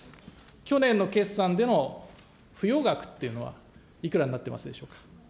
去年の決算での不要額っていうのはいくらになっていますでしょう